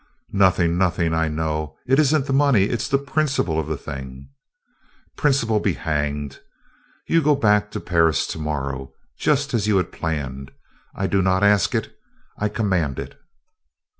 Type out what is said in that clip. "Nothing, nothing, I know. It is n't the money, it 's the principle of the thing." "Principle be hanged! You go back to Paris to morrow, just as you had planned. I do not ask it, I command it."